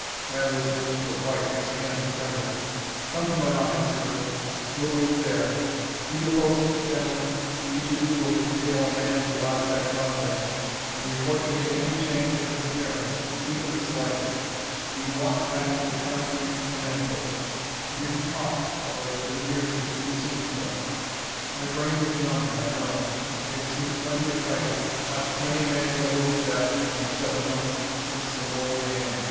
Bradley's lips were white, his hands trembling. "Come to my office, Eric; we'll wait there. To your posts, gentlemen. Each of you will detail a man to watch that cloud bank, and report to me any change in its appearance, even the slightest." We walked back to the concrete command post. We didn't talk, though it had been years since we had seen each other. My brain was numbed, I know. I had seen plenty of fighting, watched many a man go to his death in the seven months since the war began.